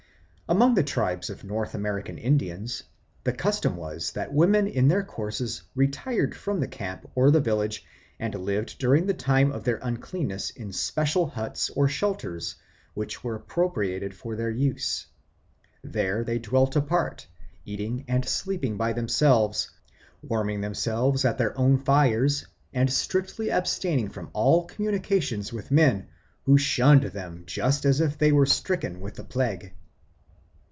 Among most tribes of North American Indians the custom was that women in their courses retired from the camp or the village and lived during the time of their uncleanness in special huts or shelters which were appropriated to their use. There they dwelt apart, eating and sleeping by themselves, warming themselves at their own fires, and strictly abstaining from all communications with men, who shunned them just as if they were stricken with the plague.